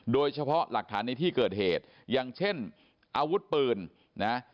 โดยเฉพาะหลักฐานในที่เกิดเหตุอย่างเช่นอาวุธปืนนะ